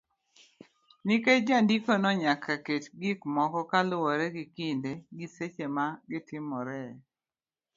nikech jandikono nyaka ket gik moko kaluwore gi kinde gi seche ma ne gitimoree.